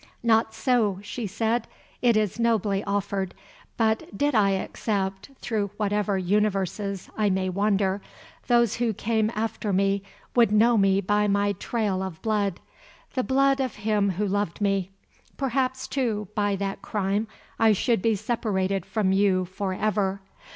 "Not so," she said, "it is nobly offered, but did I accept, through whatever universes I may wander, those who came after me would know me by my trail of blood, the blood of him who loved me. Perhaps, too, by that crime I should be separated from you for ever.